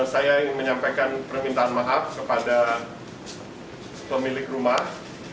saya ingin menyampaikan permintaan maaf kepada pemilik rumah